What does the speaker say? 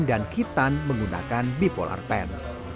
klaim dan hitan menggunakan bipolar pen